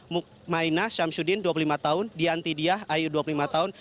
mukmainah syamsuddin dua puluh lima tahun diantidia ayu dua puluh lima tahun